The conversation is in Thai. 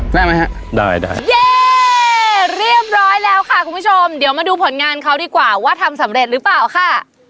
ได้ไหมฮะได้ได้เย่เรียบร้อยแล้วค่ะคุณผู้ชมเดี๋ยวมาดูผลงานเขาดีกว่าว่าทำสำเร็จหรือเปล่าค่ะ